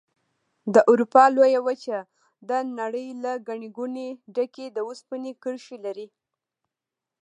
د اروپا لویه وچه د نړۍ له ګڼې ګوڼې ډکې د اوسپنې کرښې لري.